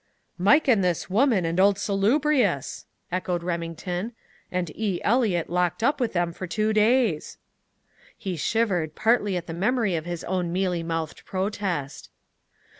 "Mike and his woman, and Old Salubrious!" echoed Remington. "And E. Eliot locked up with them for two days!" He shivered, partly at the memory of his own mealy mouthed protest.